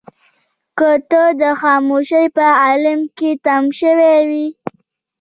که ته د خاموشۍ په عالم کې تم شوې يې.